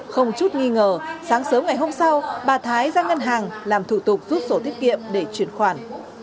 không chút nghi ngờ sáng sớm ngày hôm sau bà thái ra ngân hàng làm thủ tục rút sổ tiết kiệm để chuyển khoản